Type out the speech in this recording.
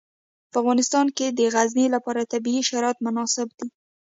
په افغانستان کې د غزني لپاره طبیعي شرایط مناسب دي.